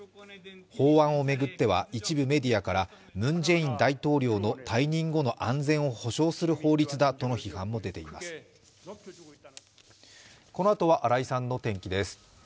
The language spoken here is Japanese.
法案を巡っては、一部メディアからムン・ジェイン大統領の退任後の安全を保障する法律だとの批判も出ています。